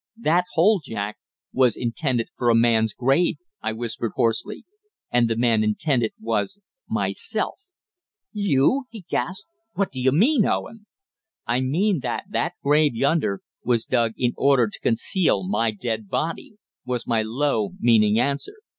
"That hole, Jack, was intended for a man's grave!" I whispered hoarsely, "and the man intended was myself!" "You!" he gasped. "What do you mean, Owen?" "I mean that that grave yonder was dug in order to conceal my dead body," was my low, meaning answer.